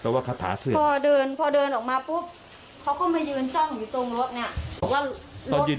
แต่ว่าคาถาเสร็จพอเดินพอเดินออกมาปุ๊บเขาก็มายืนจ้องอยู่ตรงรถเนี่ยบอกว่ารถ